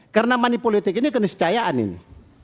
karena money politik ini kena kecayaan ini